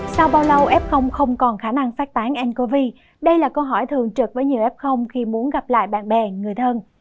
sau bao lâu f không còn khả năng phát tán ncov đây là câu hỏi thường trực với nhiều f khi muốn gặp lại bạn bè người thân